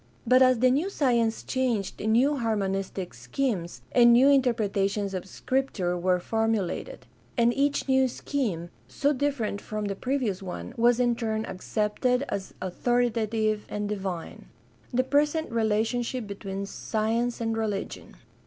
But as the new science changed new harmonistic schemes and new interpretations of Scripture were formulated; and each new scheme, so different from the previous one, was in turn accepted as authoritative and divine. The present relationship between science and religion.